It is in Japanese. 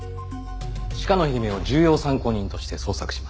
鹿野秀美を重要参考人として捜索します。